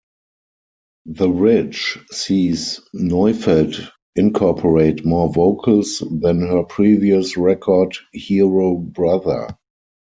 "The Ridge" sees Neufeld incoporate more vocals than her previous record, "Hero Brother".